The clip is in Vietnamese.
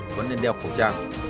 vẫn nên đeo khẩu trang